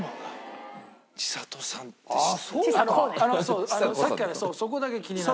あのさっきからそうそこだけ気になる。